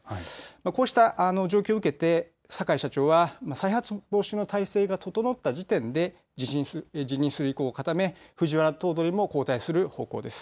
こうした状況を受けて坂井社長は再発防止の態勢が整った時点で辞任する意向を固め、藤原頭取も交代する方向です。